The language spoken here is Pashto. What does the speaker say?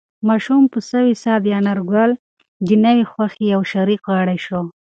ماشوم په سوې ساه د انارګل د نوې خوښۍ یو شریک غړی شو.